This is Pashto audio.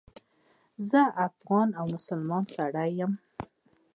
زه افغان او مسلمان سړی یم.